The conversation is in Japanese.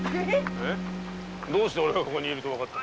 えっ？どうして俺がここにいるとわかった？